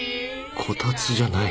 こたつじゃない